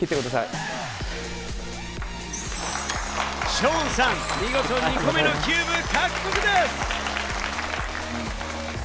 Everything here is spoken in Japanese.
ショーンさん、見事２個目のキューブ獲得です！